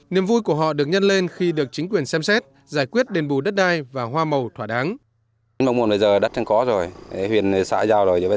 niềm vui của họ được nhân lên khi được chính quyền xem xét giải quyết đền bù đất đai và hoa màu thỏa đáng